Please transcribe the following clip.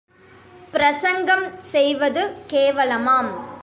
பிரசங்கம் செய்வது கேவலமாம்.